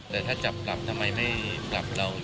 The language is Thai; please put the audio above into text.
แต่ถ้าจับกลับทำไมไม่ปรับเรา